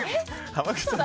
濱口さん